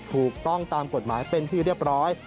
ถูกต้องตามกฎหมายเป็นที่เรียบร้อย